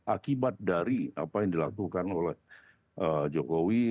akibat dari apa yang dilakukan oleh jokowi